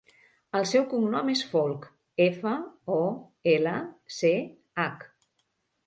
El seu cognom és Folch: efa, o, ela, ce, hac.